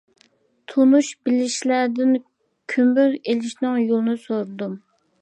تونۇش بىلىشلەردىن كۆمۈر ئېلىشنىڭ يولىنى سورىدىم.